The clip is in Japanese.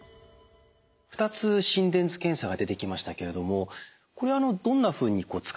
２つ心電図検査が出てきましたけれどもこれどんなふうに使い分けるんですか？